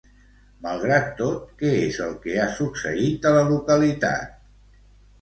Malgrat tot, què és el que ha succeït a la localitat?